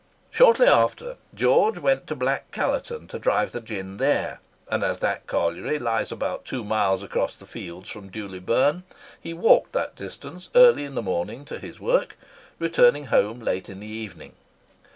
Shortly after, George went to Black Callerton to drive the gin there; and as that colliery lies about two miles across the fields from Dewley Burn, he walked that distance early in the morning to his work, returning home late in the evening.